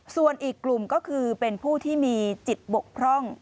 ส่วนอีกกลุ่มก็คือเป็นผู้ที่มีจิตบกพร่อง